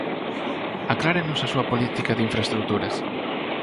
Aclárenos a súa política de infraestruturas.